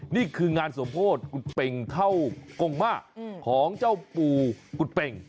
นี่คืองานสมโพธิกุฎเป่งเท่ากงมาของเจ้าปู่กุฎเป่ง